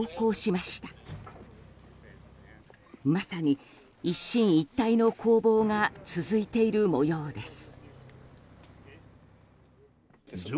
まさに一進一退の攻防が続いている模様です。